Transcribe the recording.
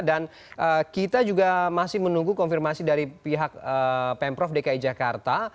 dan kita juga masih menunggu konfirmasi dari pihak pemprov dki jakarta